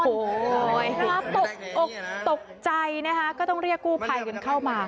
โอ้โหตกอกตกใจนะคะก็ต้องเรียกกู้ภัยกันเข้ามา